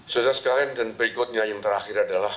saudara sekalian dan berikutnya yang terakhir adalah